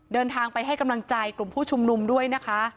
เดินทางไปให้กำลังใจกลุ่มผู้ชุมนุมด้วยนะคะ